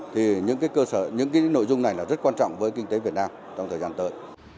thì những cái nội dung này là rất quan trọng với kinh tế việt nam trong thời gian tới